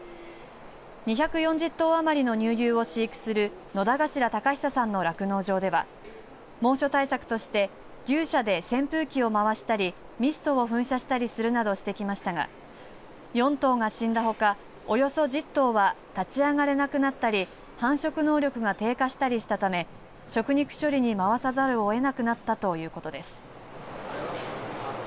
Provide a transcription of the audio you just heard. ２４０頭余りの乳牛を飼育する野田頭昂寿さんの酪農場では猛暑対策として牛舎で扇風機を回したりミストを噴射したりするなどしてきましたが４頭が死んだほかおよそ１０頭は立ち上がれなくなったり繁殖能力が低下したりしたため食肉処理にまわさざるを得なくなったということです。